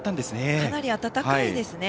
かなり暖かいですね。